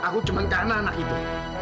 aku cuma karena anak itu